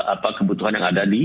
apa kebutuhan yang ada di